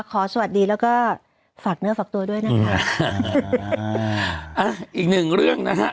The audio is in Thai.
ขอสวัสดิแล้วก็ฝากเนื้อฝากตัวด้วยนะคะ